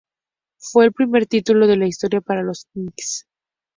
Fue el primer título de la historia para los Knicks.